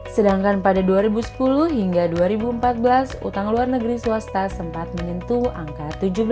sedangkan pada dua ribu sepuluh hingga dua ribu empat belas utang luar negeri swasta sempat menyentuh angka tujuh belas